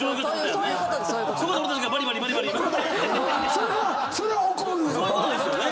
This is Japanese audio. そういうことですよね。